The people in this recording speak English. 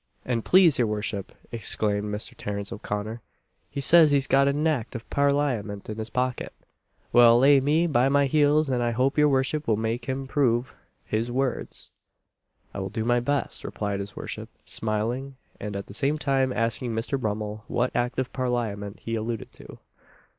"An' please your worship," exclaimed Mr. Terence O'Connor, "he says he's got a nact of Parlyment in his pocket, what'll lay me by the heels, an' I hope your worship will make him prove his words!" "I will do my best," replied his worship, smiling, and at the same time asking Mr. Brummel what Act of Parliament he alluded to.